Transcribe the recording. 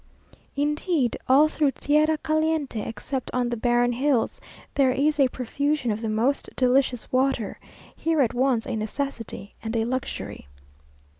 Indeed all through tierra caliente, except on the barren hills, there is a profusion of the most delicious water, here at once a necessity and a luxury.